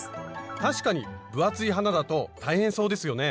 確かに分厚い花だと大変そうですよね。